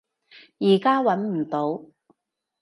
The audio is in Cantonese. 依家揾唔到